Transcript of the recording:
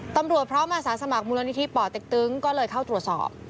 พร้อมอาสาสมัครมูลนิธิป่อเต็กตึงก็เลยเข้าตรวจสอบ